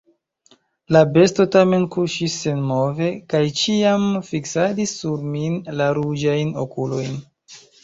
La besto tamen kuŝis senmove kaj ĉiam fiksadis sur min la ruĝajn okulojn.